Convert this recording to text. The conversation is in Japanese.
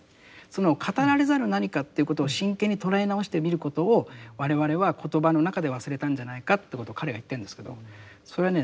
その語られざる何かということを真剣に捉え直してみることを我々は言葉の中で忘れたんじゃないかということを彼が言ってるんですけどそれはね